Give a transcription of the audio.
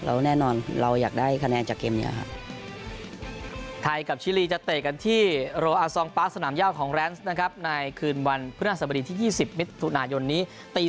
เราก็แน่นอนเราอยากได้คะแนนจากเกมนี้